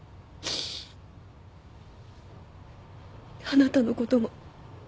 あなたのことも。